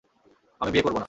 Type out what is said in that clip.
আমি বিয়ে করব না!